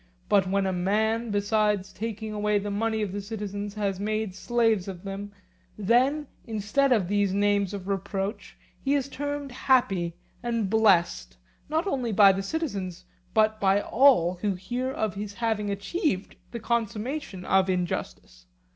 But when a man besides taking away the money of the citizens has made slaves of them, then, instead of these names of reproach, he is termed happy and blessed, not only by the citizens but by all who hear of his having achieved the consummation of injustice.